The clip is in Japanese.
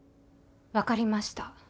分かりました。